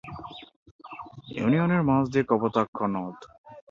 ইউনিয়নের মাঝ দিয়ে কপোতাক্ষ নদ।